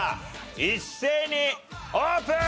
一斉にオープン！